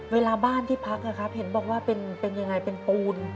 เวลาบ้านที่พักเห็นบอกว่าเป็นยังไงเป็นปูน